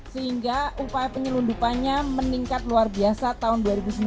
sehingga upaya penyelundupannya meningkat luar biasa tahun dua ribu sembilan belas